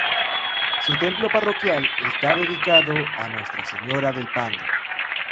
Su templo parroquial está dedicado a Nuestra Señora del Pando.